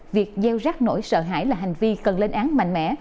việc gieo rác nổi sợ hãi là hành vi cần lên án mạnh mẽ